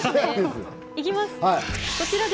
いきますね。